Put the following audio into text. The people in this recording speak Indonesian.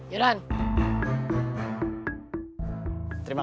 ya udah aku mau